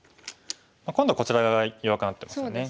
今度こちら側が弱くなってますね。